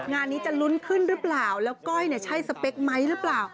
งานนี้จะลุ้นขึ้นหรือเปล่าก้อยใช้สเปกไม้หรือเปล่า